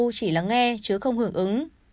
họ chỉ lắng nghe chứ không hưởng ứng